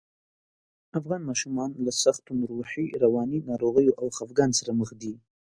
افغان ماشومان له سختو روحي، رواني ناروغیو او خپګان سره مخ دي